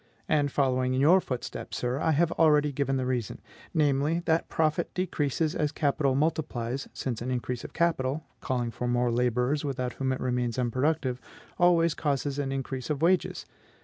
And following in your footsteps, sir, I have already given the reason; namely, that profit decreases as capital multiplies, since an increase of capital calling for more laborers, without whom it remains unproductive always causes an increase of wages.